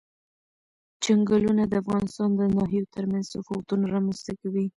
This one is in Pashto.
چنګلونه د افغانستان د ناحیو ترمنځ تفاوتونه رامنځ ته کوي.